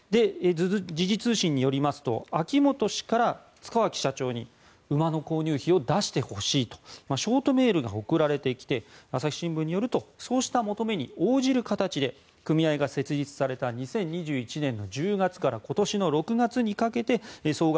時事通信によりますと秋本氏から塚脇社長に馬の購入費を出してほしいとショートメールが送られてきて朝日新聞によるとそうした求めに応じる形で組合が設立された２０２１年の１０月から今年の６月にかけて総額